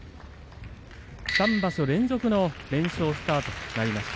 ３場所連続の連勝スタートとなりました。